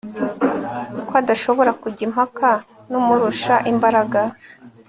ko adashobora kujya impaka n'umurusha imbaraga